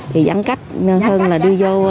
thì giám cách hơn là đi vô